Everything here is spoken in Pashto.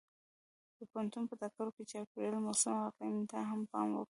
د پوهنتون په ټاکلو کې چاپېریال، موسم او اقلیم ته هم پام وکړئ.